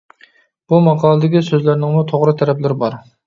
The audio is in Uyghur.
بۇ ماقالىدىكى سۆزلەرنىڭمۇ توغرا تەرەپلىرى بار.